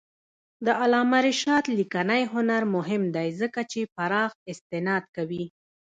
د علامه رشاد لیکنی هنر مهم دی ځکه چې پراخ استناد کوي.